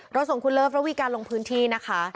ส่งคุณเลิฟระวีการลงพื้นที่นะคะ